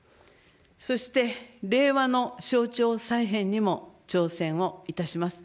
そして令和の省庁再編にも挑戦をいたします。